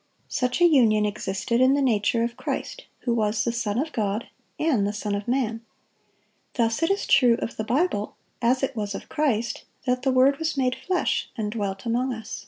Such a union existed in the nature of Christ, who was the Son of God and the Son of man. Thus it is true of the Bible, as it was of Christ, that "the Word was made flesh, and dwelt among us."